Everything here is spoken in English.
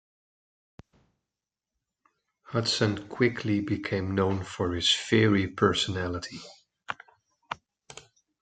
Hudson quickly became known for his fiery personality.